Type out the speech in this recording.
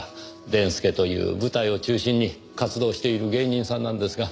でんすけという舞台を中心に活動している芸人さんなんですが。